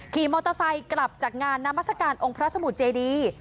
ขี่มอเตอร์ไซค์กลับจากงานนามัศกาลองค์พระสมุทรเจดี